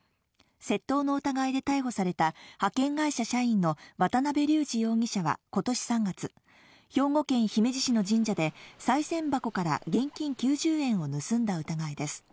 窃盗の疑いで逮捕された、派遣会社社員の渡部竜志容疑者はことし３月、兵庫県姫路市の神社で、さい銭箱から現金９０円を盗んだ疑いです。